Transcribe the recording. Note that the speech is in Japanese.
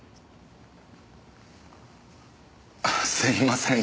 すいません。